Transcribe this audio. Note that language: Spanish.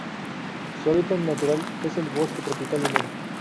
Su hábitat natural es el bosque tropical húmedo.